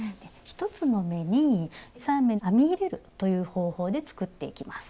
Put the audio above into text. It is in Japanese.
１つの目に３目編み入れるという方法で作っていきます。